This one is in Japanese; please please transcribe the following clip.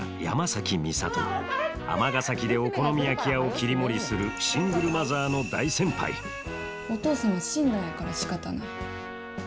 尼崎でお好み焼き屋を切り盛りするシングルマザーの大先輩お父さんは死んだんやからしかたない。